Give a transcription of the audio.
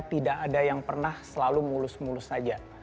tidak ada yang pernah selalu mulus mulus saja